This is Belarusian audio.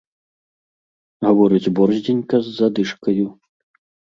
Гаворыць борздзенька з задышкаю.